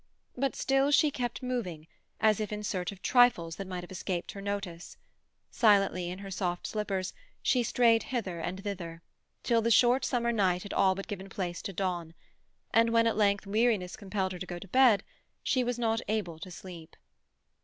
But still she kept moving, as if in search of trifles that might have escaped her notice; silently, in her soft slippers, she strayed hither and thither, till the short summer night had all but given place to dawn; and when at length weariness compelled her to go to bed, she was not able to sleep.